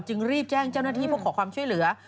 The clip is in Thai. รีบแจ้งเจ้าหน้าที่เพื่อขอความช่วยเหลือ